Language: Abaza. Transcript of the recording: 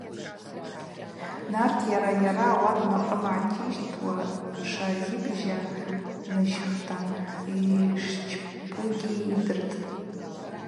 Нарт йара-йара ауат макъым гӏартищтуа тшазибжьа ныжьхта йшчпугьи ййырдытӏ.